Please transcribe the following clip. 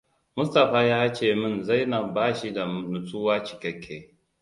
Mustapha ya ce min Zainab ba shi da nutsuwa cikekke.